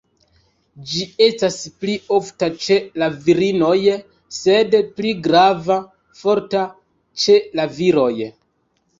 Ĝi estas pli ofta ĉe la virinoj, sed pli grava, forta ĉe la viroj.